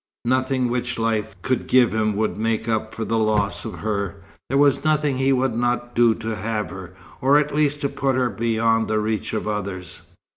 Nothing which life could give him would make up for the loss of her. There was nothing he would not do to have her, or at least to put her beyond the reach of others.